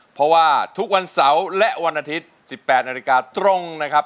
เพราะว่าทุกวันเสาร์และวันอาทิตย์๑๘นาฬิกาตรงนะครับ